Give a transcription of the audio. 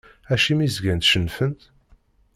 Acimi zgant cennfent?